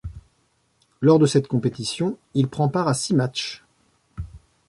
Lors de cette compétition, il prend part à six matchs.